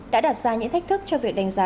đã đặt ra những thách thức cho việc đánh giá